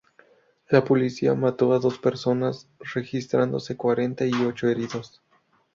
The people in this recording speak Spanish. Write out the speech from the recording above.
La policía mató a dos personas, registrándose cuarenta y ocho heridos.